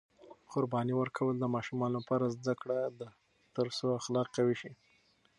قرباني ورکول د ماشومانو لپاره زده کړه ده ترڅو اخلاق قوي شي.